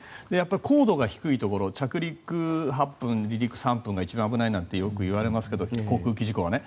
高度が低いところ着陸８分、離陸３分が一番危ないなんてよくいわれますが航空機事故はね。